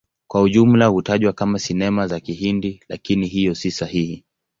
Kwa ujumla hutajwa kama Sinema za Kihindi, lakini hiyo si sahihi.